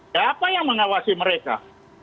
ya apa yang mengawasi mereka